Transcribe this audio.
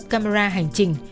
các camera hành trình